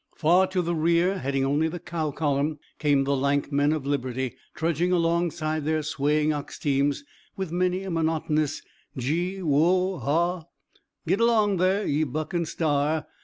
Far to the rear, heading only the cow column, came the lank men of Liberty, trudging alongside their swaying ox teams, with many a monotonous "Gee whoa haw! Git along thar, ye Buck an' Star!"